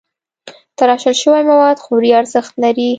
تراشل شوي مواد خوري ارزښت لري.